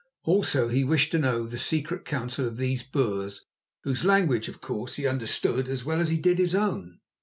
Also he wished to know the secret counsel of these Boers, whose language, of course, he understood as well as he did his own.